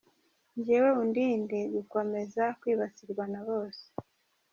Njyewe undinde gukomeza kwibasirwa na bose.